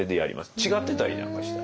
違ってたりなんかしたり。